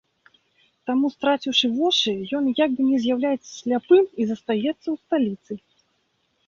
Таму, страціўшы вочы, ён як бы не з'яўляецца сляпым і застаецца ў сталіцы.